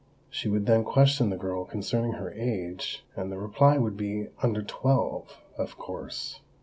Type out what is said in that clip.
She would then question the girl concerning her age; and the reply would be "under twelve" of course.